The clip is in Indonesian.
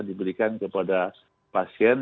diberikan kepada pasien